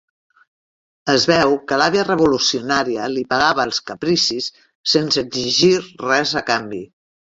Es veu que l'àvia revolucionària li pagava els capricis sense exigir res a canvi.